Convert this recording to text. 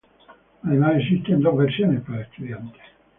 Además, existen dos versiones para estudiantes.